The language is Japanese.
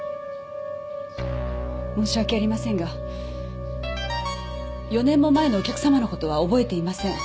申し訳ありませんが４年も前のお客様の事は覚えていません。